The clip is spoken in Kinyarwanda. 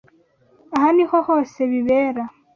Aha niho hose bibera.